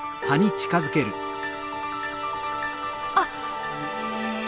あっ！